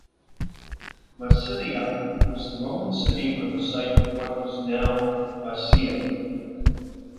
Massilia was the Roman city on the site of what is now Marseille.